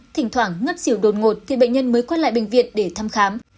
thỉnh thoảng ngất xỉu đột ngột thì bệnh nhân mới quét lại bệnh viện để thăm khám